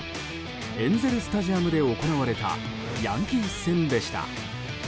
エンゼル・スタジアムで行われたヤンキース戦でした。